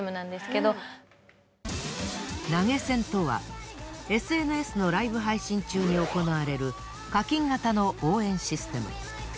投げ銭とはＳＮＳのライブ配信中に行われる課金型の応援システム。